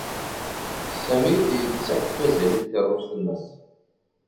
Sami yettakf azal i tkeṛṛust-nnes.